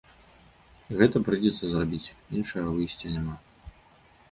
Гэта прыйдзецца зрабіць, іншага выйсця няма.